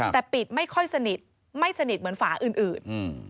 แต่ปิดไม่ค่อยสนิทไม่สนิทเหมือนฝาอื่น